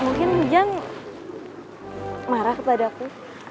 mungkin hujan marah kepadaku